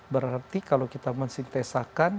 berarti kalau kita mensintesakan